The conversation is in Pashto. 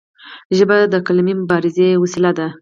ژبه د قلمي مبارزې وسیله ده.